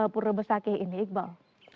pura besakih ini iqbal